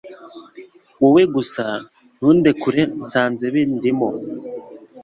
Wowe gusa Ntundekure Nsanze bindimo